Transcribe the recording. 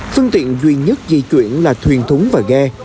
phương tiện duy nhất di chuyển là thuyền thúng và ghe